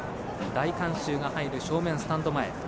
大観衆が入る、正面スタンド前。